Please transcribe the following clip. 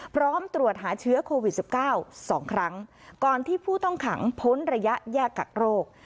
พร้อมตรวจหาเชื้อโควิด๑๙๒ครั้งก่อนที่ผู้ต้องขังพ้นระยะแยกกักโรค